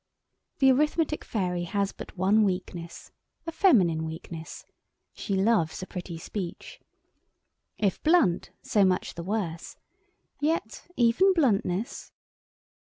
The Arithmetic Fairy has but one weakness—a feminine weakness. She loves a pretty speech. If blunt, so much the worse; yet even bluntness....